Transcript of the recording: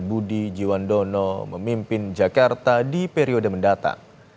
budi jiwandono memimpin jakarta di periode mendatang